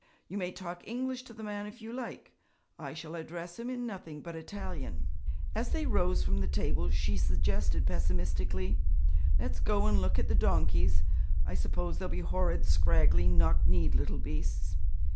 You may talk English to the man if you like; I shall address him in nothing but Italian.' As they rose from the table she suggested pessimistically, 'Let's go and look at the donkeys I suppose they'll be horrid, scraggly, knock kneed little beasts.'